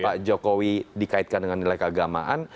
pak jokowi dikaitkan dengan nilai keagamaan